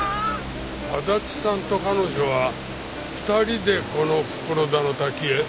足立さんと彼女は２人でこの袋田の滝へ？